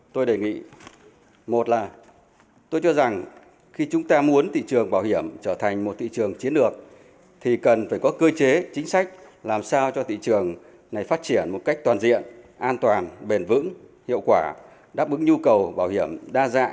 tôi đề nghị một là tôi cho rằng khi chúng ta muốn thị trường bảo hiểm trở thành một thị trường chiến lược thì cần phải có cơ chế chính sách làm sao cho thị trường này phát triển một cách toàn diện an toàn bền vững hiệu quả đáp ứng nhu cầu bảo hiểm đa dạng